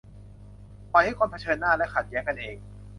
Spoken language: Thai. ปล่อยให้คนเผชิญหน้าและขัดแย้งกันเอง